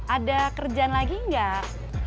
ada kerjaan lagi nggak